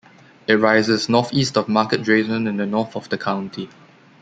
It rises north-east of Market Drayton in the north of the county.